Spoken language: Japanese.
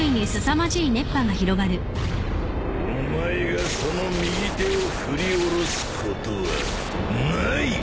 お前がその右手を振り下ろすことはない。